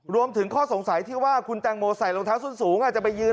รวมถึงข้อสงสัยที่ว่าคุณแตงโมใส่รองเท้าส้นสูงอาจจะไปยืน